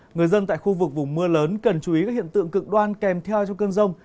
người dân tại khu vực vùng mưa lớn cần chú ý các hiện tượng cực đoan kèm theo trong cơn rông